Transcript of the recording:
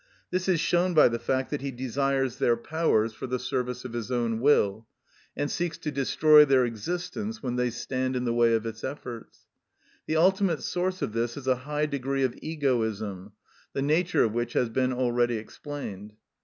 This is shown by the fact that he desires their powers for the service of his own will, and seeks to destroy their existence when they stand in the way of its efforts. The ultimate source of this is a high degree of egoism, the nature of which has been already explained.